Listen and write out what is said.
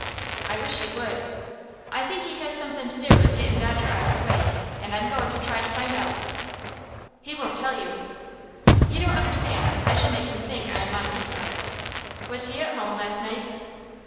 "I wish you would." "I think he has something to do with gettin' Dodger out of the way, and I'm goin' to try to find out." "He won't tell you." "You don't understand. I shall make him think I am on his side. Was he at home last night?"